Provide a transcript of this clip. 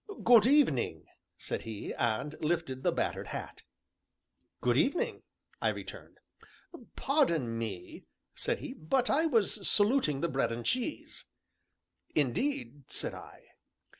"Good evening!" said he, and lifted the battered hat. "Good evening!" I returned. "Pardon me," said he, "but I was saluting the bread and cheese." "Indeed!" said I.